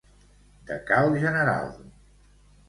De cal general.